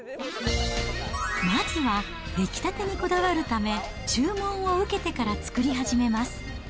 まずは出来たてにこだわるため、注文を受けてから作り始めます。